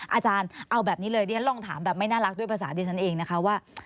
อาจารย์เอาแบบนี้เลยดิฉันลองถามแบบไม่น่ารักด้วยภาษาดิฉันเองนะคะว่า